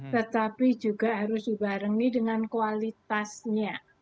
tetapi juga harus dibarengi dengan kualitasnya